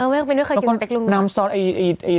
ไม่เคยกินสเต็กลุ้งหนวด